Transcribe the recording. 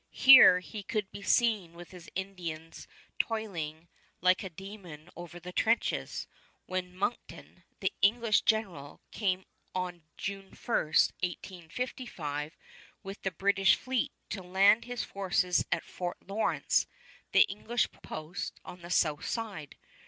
Here he could be seen with his Indians toiling like a demon over the trenches, when Monckton, the English general, came on June 1, 1855, with the British fleet, to land his forces at Fort Lawrence, the English post on the south side.